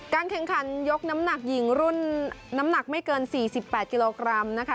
แข่งขันยกน้ำหนักหญิงรุ่นน้ำหนักไม่เกิน๔๘กิโลกรัมนะคะ